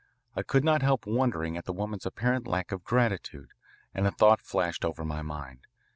I could not help wondering at the woman's apparent lack of gratitude, and a thought flashed over my mind.